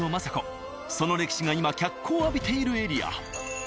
その歴史が今脚光を浴びているエリア。